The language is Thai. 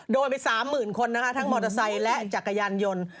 โดนไป๓๐๐๐คนนะคะทั้งมอเตอร์ไซค์และจักรยานยนต์